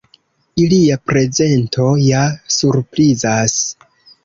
Ilia prezento ja surprizas.